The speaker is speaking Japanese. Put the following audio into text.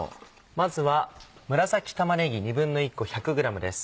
まずは紫玉ねぎ１／２個１００ｇです。